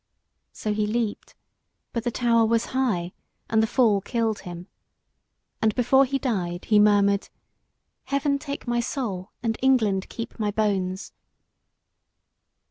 So he leaped, but the tower was high, and the fall killed him. And before he died, he murmured "Heaven take my soul and England keep my bones."